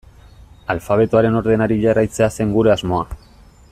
Alfabetoaren ordenari jarraitzea zen gure asmoa.